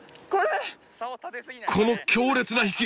この強烈な引き！